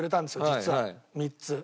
実は３つ。